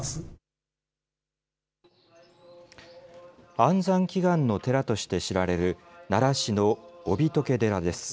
安産祈願の寺として知られる奈良市の帯解寺です。